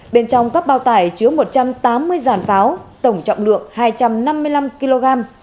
bên trong các bao tải chứa một trăm tám mươi dàn pháo tổng trọng lượng hai trăm năm mươi năm kg